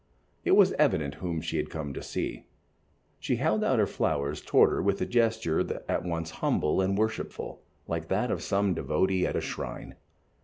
It was evident whom she had come to see. She held out her flowers towards her with a gesture at once humble and worshipful, like that of some devotee at a shrine.